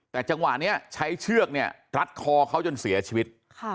แต่จังหวะนี้ใช้เชือกเนี่ยรัดคอเขาจนเสียชีวิต